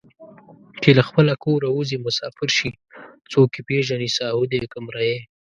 چې له خپله کوره اوځي مسافر شي څوک یې پېژني ساهو دی که مریی